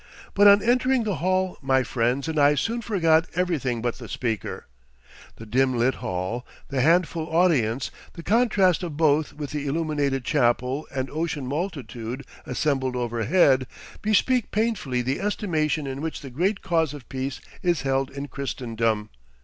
But on entering the hall my friends and I soon forgot everything but the speaker. The dim lit hall, the handful audience, the contrast of both with the illuminated chapel and ocean multitude assembled overhead, bespeak painfully the estimation in which the great cause of peace is held in Christendom.